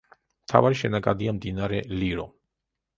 მთავარი შენაკადია მდინარე ლირო.